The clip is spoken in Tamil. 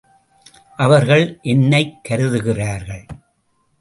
அவர்கள் என்னைக் கருதுகிறார்கள்.